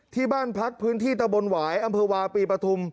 ที่บ้านพักพื้นที่ตะบนหวายอำเภอวาปีปฐุม